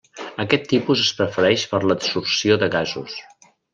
Aquest tipus es prefereix per l'adsorció de gasos.